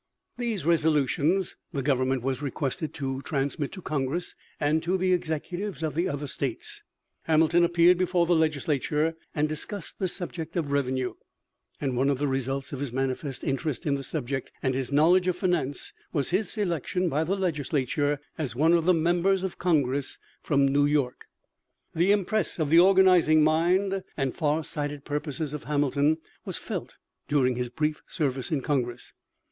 These resolutions the government was requested to transmit to Congress and to the executives of the other states. Hamilton appeared before the legislature and discussed the subject of revenue, and one of the results of his manifest interest in the subject and his knowledge of finance was his selection by the legislature as one of the members of Congress from New York. The impress of the organizing mind and far sighted purposes of Hamilton was felt during his brief service in Congress.